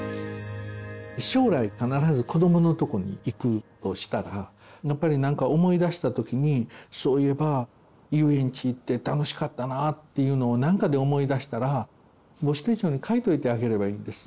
将来必ず子どものとこにいくとしたらやっぱり何か思い出した時にそういえば遊園地行って楽しかったなっていうのを何かで思い出したら母子手帳に書いといてあげればいいんです。